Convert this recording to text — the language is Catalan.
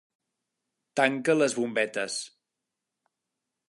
Tanca les bombetes.